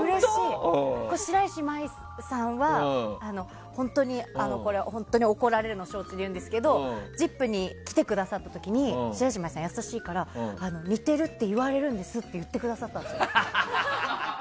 白石麻衣さんは本当に怒られるの承知で言うんですが「ＺＩＰ！」に来てくださった時に、優しいから似てるって言われるんですって言ってくださったんです。